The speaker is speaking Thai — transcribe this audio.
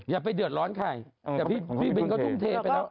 อย่าไปเดือดร้อนใครแต่พี่บินก็ทุ่มเทไปแล้ว